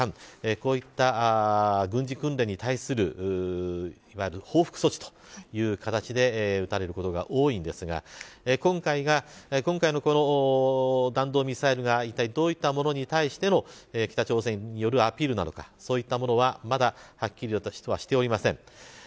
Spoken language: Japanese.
こういった軍事訓練に対するいわゆる報復措置という形で打たれることが多いんですが今回の弾道ミサイルがどういったものなのか北朝鮮によるアピールかはまだ、はっきりとしてはしておりません。